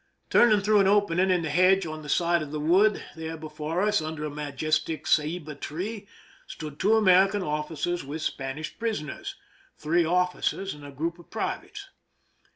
Turning through an opening in the hedge on the side of the wood, there before us, under a majestic ceiba tree, stood two American officers with Span ish prisoners— three officers and a group of privates.